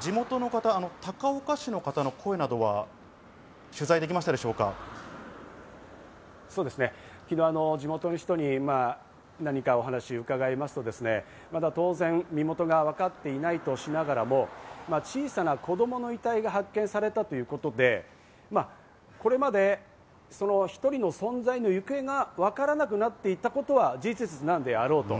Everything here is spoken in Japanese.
地元の方、高岡市の方の声な昨日、地元の人に何かお話を伺いますと、まだ当然、身元が分かっていないとしながらも、小さな子供の遺体が発見されたということで、これまで１人の存在に行方がわからなくなっていたことは事実なんだろうと。